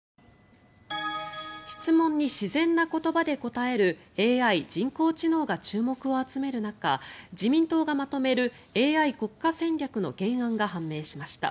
質問に自然な言葉で答えるＡＩ・人工知能が注目を集める中自民党がまとめるＡＩ国家戦略の原案が判明しました。